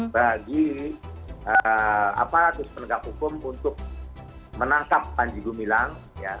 bagi aparatus penegak hukum untuk menangkap panji gumilang